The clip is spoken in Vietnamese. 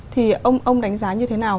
thì ông đánh giá như thế nào